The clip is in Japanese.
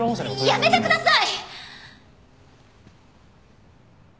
やめてください！